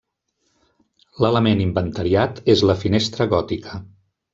L'element inventariat és la finestra gòtica.